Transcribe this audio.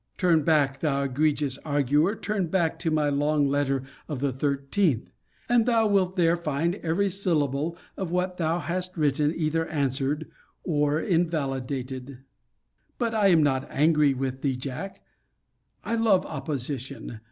Turn back, thou egregious arguer, turn back to my long letter of the 13th,* and thou wilt there find every syllable of what thou hast written either answered or invalidated. * See Letter XVIII. of this volume. But I am not angry with thee, Jack. I love opposition.